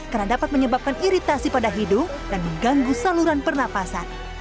karena dapat menyebabkan iritasi pada hidung dan mengganggu saluran pernafasan